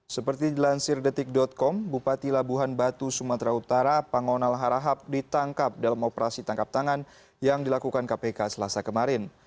seperti dilansir detik com bupati labuhan batu sumatera utara pangonal harahap ditangkap dalam operasi tangkap tangan yang dilakukan kpk selasa kemarin